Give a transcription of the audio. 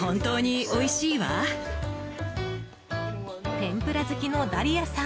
天ぷら好きのダリアさん